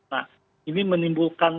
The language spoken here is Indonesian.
nah ini menimbulkan